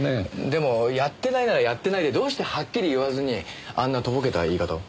でもやってないならやってないでどうしてはっきり言わずにあんなとぼけた言い方を？